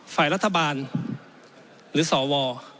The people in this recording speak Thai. ฝ่ายรัฐบาลหรือสว